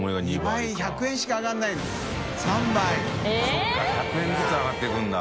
修Δ１００円ずつ上がっていくんだ。